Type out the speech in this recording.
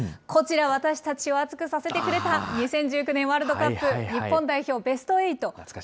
こちら、私たちを熱くさせてくれた２０１９年ワールドカップ、日本代表、ベストエイト。